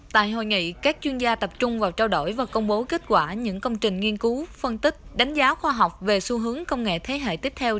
tại hội nghị các chuyên gia tập trung vào trao đổi và công bố kết quả những công trình nghiên cứu phân tích đánh giá khoa học về xu hướng công nghệ thế hệ tiếp theo